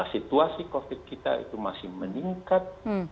situasi covid kita itu masih meningkat